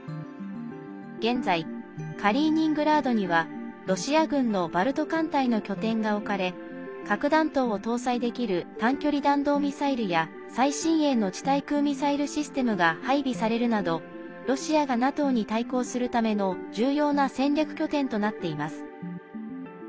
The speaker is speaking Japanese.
現在、カリーニングラードにはロシア軍のバルト艦隊の拠点が置かれ核弾頭を搭載できる短距離弾道ミサイルや最新鋭の地対空ミサイルシステムが配備されるなどロシアがＮＡＴＯに対抗するための重要な戦略拠点となっています。